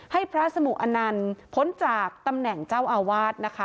ให้พระสมุอนันต์พ้นจากตำแหน่งเจ้าอาวาสนะคะ